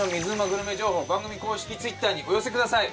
グルメ情報を番組公式Ｔｗｉｔｔｅｒにお寄せください。